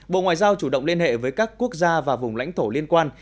bộ ngoại giao chủ động liên hệ với các quốc gia và vùng lãnh thổ liên quan